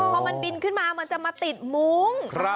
พอมันบินขึ้นมามันจะมาติดมุ้ง